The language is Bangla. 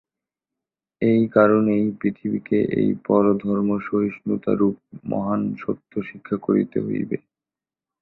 এই কারণেই পৃথিবীকে এই পরধর্মসহিষ্ণুতারূপ মহান সত্য শিক্ষা করিতে হইবে।